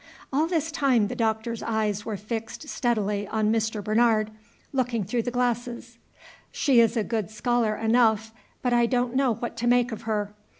All this time the Doctor's eyes were fixed steadily on Mr. Bernard, looking through the glasses. "She is a good scholar enough, but I don't know what to make of her.